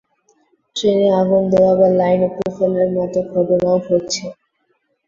ট্রেনে আগুন দেওয়া বা লাইন উপড়ে ফেলার মতো ঘটনাও ঘটছে।